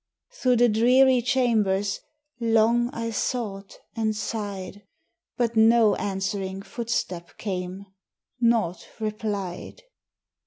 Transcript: Through the dreary chambers, long I sought and sighed, But no answering footstep came; naught replied.